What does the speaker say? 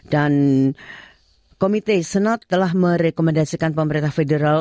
dan komite senat telah merekomendasikan pemerintah federal